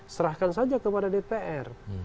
serahkan saja kepada dpr